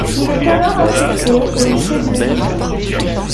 Il est alors affecté au Lycée de Dijon.